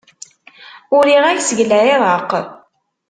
Uriɣ-ak seg Lɛiraq.